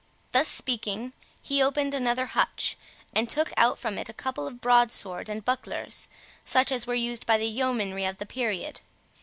Thus speaking, he opened another hutch, and took out from it a couple of broadswords and bucklers, such as were used by the yeomanry of the period.